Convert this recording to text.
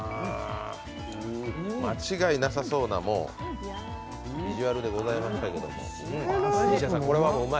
間違いなさそうなビジュアルでございましたけれども。